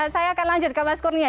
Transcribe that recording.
saya akan lanjut ke mas kurnia